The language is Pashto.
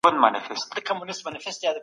سرلوڅ